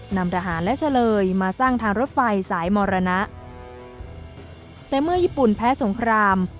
นำทหารและเฉลยมาสร้างทางรถไฟสายมรณะแต่เมื่อญี่ปุ่นแพ้สงคราม